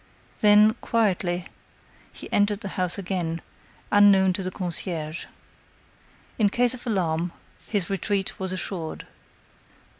Then, quietly, he entered the house again, unknown to the concierge. In case of alarm, his retreat was assured.